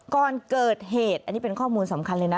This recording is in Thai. ก่อนเกิดเหตุอันนี้เป็นข้อมูลสำคัญเลยนะ